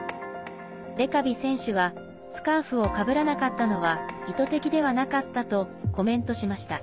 レカビ選手はスカーフをかぶらなかったのは意図的ではなかったとコメントしました。